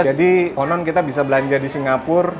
jadi konon kita bisa belanja di singapura